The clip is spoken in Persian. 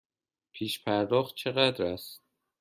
پیش پرداخت چقدر است؟